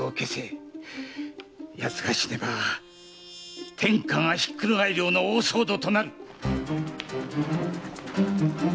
奴が死ねば天下がひっくり返る大騒動となる！